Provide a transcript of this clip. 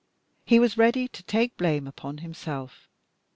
He was ready to take blame upon himself.